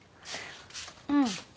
うん。